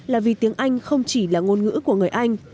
là vì tiếng anh không chỉ là ngôn ngữ của người anh